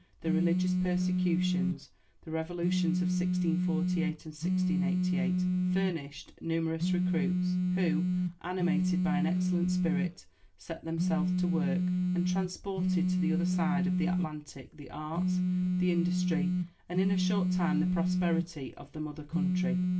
The religious persecutions, the revolutions of 1648 and 1688, furnished numerous recruits, who, animated by an excellent spirit, set themselves to work, and transported to the other side of the Atlantic the arts, the industry, and in a short time the prosperity, of the mother country.